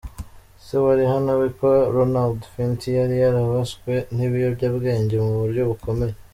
Se wa Rihanna witwa Ronald Fenty yari yarabaswe n’ibiyobyabwenge mu buryo bukomeye.